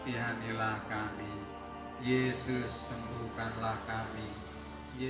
yesus sembuhkanlah kami